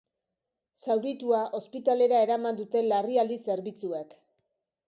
Zauritua ospitalera eraman dute larrialdi zerbitzuek.